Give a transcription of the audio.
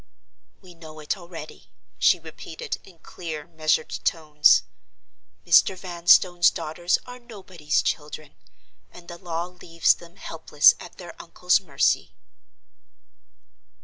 "We know it already," she repeated, in clear, measured tones. "Mr. Vanstone's daughters are Nobody's Children; and the law leaves them helpless at their uncle's mercy."